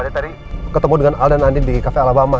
dia tadi ketemu dengan al dan andin di cafe alabama